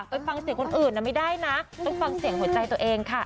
ไปฟังเสียงคนอื่นนะไม่ได้นะไปฟังเสียงหัวใจตัวเองค่ะ